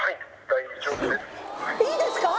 いいですか！？